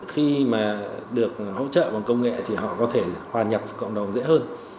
khi mà được hỗ trợ bằng công nghệ thì họ có thể hòa nhập cộng đồng dễ hơn